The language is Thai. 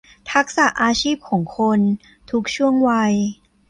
ทักษะอาชีพของคนทุกช่วงวัย